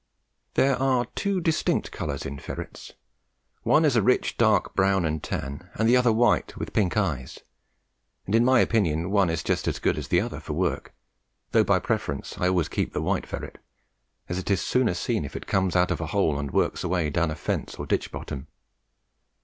There are two distinct colours in ferrets one is a rich dark brown and tan, and the other white with pink eyes; and in my opinion one is just as good as the other for work, though by preference I always keep the white ferret, as it is sooner seen if it comes out of a hole and works away down a fence or ditch bottom.